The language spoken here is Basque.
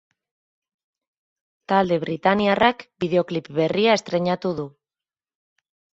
Talde britainiarrak bideoklip berria estreinatu du.